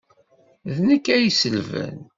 D nekk ay iselben.